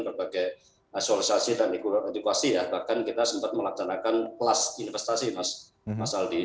berbagai asosiasi dan edukasi ya bahkan kita sempat melaksanakan kelas investasi mas mas aldi